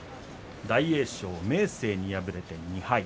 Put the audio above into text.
大栄翔、明生に敗れて２敗。